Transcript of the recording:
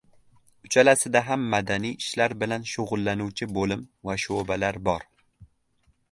— uchalasida ham madaniy ishlar bilan shug‘ullanuvchi bo‘lim va sho‘balar bor.